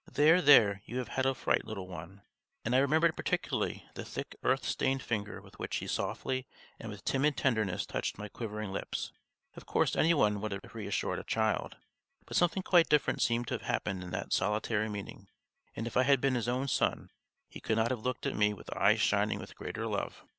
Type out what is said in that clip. "There, there, you have had a fright, little one!" And I remembered particularly the thick earth stained finger with which he softly and with timid tenderness touched my quivering lips. Of course any one would have reassured a child, but something quite different seemed to have happened in that solitary meeting; and if I had been his own son, he could not have looked at me with eyes shining with greater love.